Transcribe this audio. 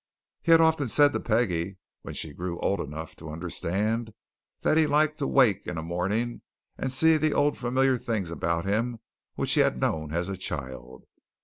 He had often said to Peggie, when she grew old enough to understand, that he liked to wake in a morning and see the old familiar things about him which he had known as a child.